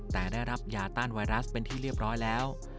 แต่ได้รับยาต้านไวรัสเป็นที่เรียบร้อยแล้ว